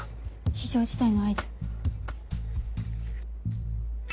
非常事態の合図。